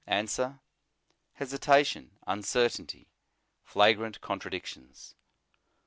Answer: Hesitation, uncertainty, flagrant contradictions.